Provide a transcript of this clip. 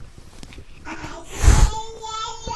ګل جانې: ډوډۍ نه خورو؟ داسې نه چې بیا وږې شم.